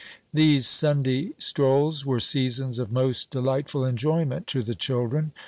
These Sunday strolls were seasons of most delightful enjoyment to the children.